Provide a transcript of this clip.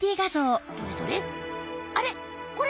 どれどれ。